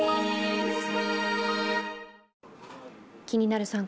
「気になる！